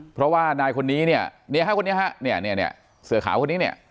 เพราะว่านายคนนี้เนี่ยเสือขาวคนนี้เนี่ย